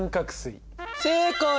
正解！